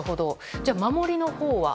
じゃあ、守りのほうは？